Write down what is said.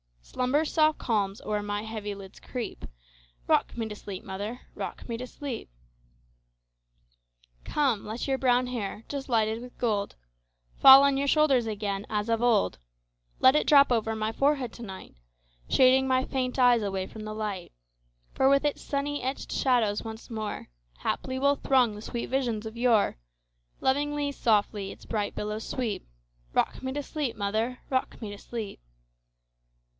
Slumber's soft calms o'er my heavy lids creep;—Rock me to sleep, mother,—rock me to sleep! Come, let your brown hair, just lighted with gold, Fall on your shoulders again as of old; Let it drop over my forehead to night, Shading my faint eyes away from the light; For with its sunny edged shadows once moreHaply will throng the sweet visions of yore; Lovingly, softly, its bright billows sweep;—Rock me to sleep, mother,—rock me to sleep!